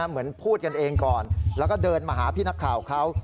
เหมือนพูดกันเองก่อนแล้วก็เดินมาหาพี่นักข่าวเขา